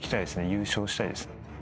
優勝したいです。